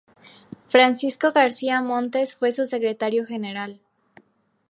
Francisco García Montes fue su secretario general.